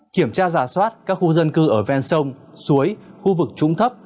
kiểm tra giả soát các khu dân cư ở ven sông suối khu vực trúng thấp